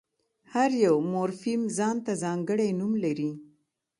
هر یو مورفیم ځان ته ځانګړی نوم لري.